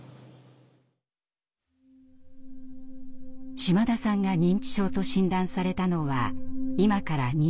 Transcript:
島田さんが認知症と診断されたのは今から２年前。